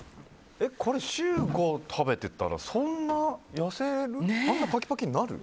これ、週５食べてたらそんな痩せる？